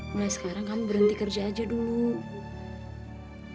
mulai sekarang kamu berhenti kerja aja dulu